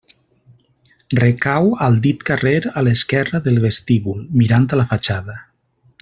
Recau al dit carrer a l'esquerra del vestíbul, mirant la fatxada.